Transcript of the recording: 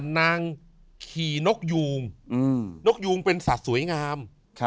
นางขี่นกยูงนกยูงเป็นสัตว์สวยงาม